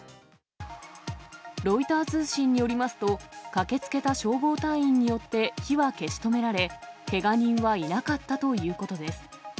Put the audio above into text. ロイター通信によりますと、駆けつけた消防隊員によって火は消し止められ、けが人はいなかったということです。